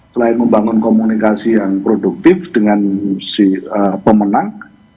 selain membangun komunikasi yang produktif dengan si pemenang